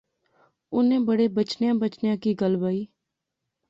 انیں بڑے بچنیاں بچنیاں کی گل بائی